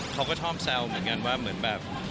เขาก็ชอบแซวเหมือนกันว่าเหมือนแบบ